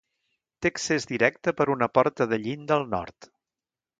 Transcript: Té accés directe per una porta de llinda al nord.